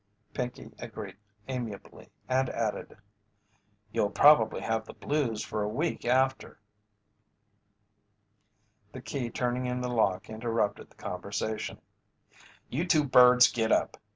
Pinkey agreed amiably and added: "You'll prob'ly have the blues for a week after." The key turning in the lock interrupted the conversation. "You two birds get up.